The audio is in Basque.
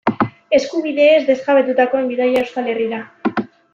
Eskubideez desjabetutakoen bidaia Euskal Herrira.